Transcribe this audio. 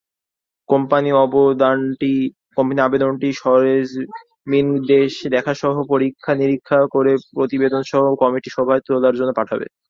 Company আবেদনটি সরেজমিন দেখাসহ পরীক্ষা-নিরীক্ষা করে প্রতিবেদনসহ কমিটির সভায় তোলার জন্য পাঠাবে।